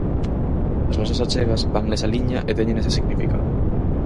As nosas achegas van nesa liña e teñen ese significado.